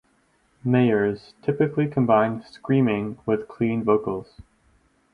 Mayers typically combined screaming with clean vocals.